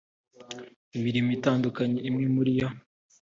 mirimo itandukanye imwe muri iyo